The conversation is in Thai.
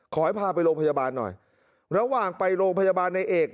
ขอให้พาไปโรงพยาบาลหน่อยระหว่างไปโรงพยาบาลในเอก